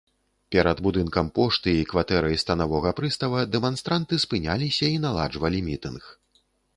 Перад будынкам пошты і кватэрай станавога прыстава дэманстранты спыняліся і наладжвалі мітынг.